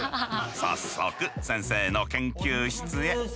早速先生の研究室へ。